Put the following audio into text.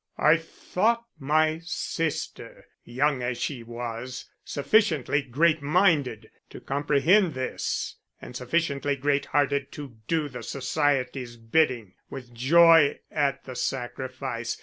I thought my sister, young as she was, sufficiently great minded to comprehend this and sufficiently great hearted to do the society's bidding with joy at the sacrifice.